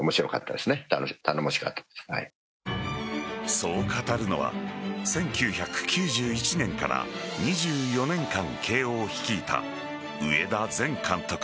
そう語るのは１９９１年から２４年間慶応を率いた上田前監督。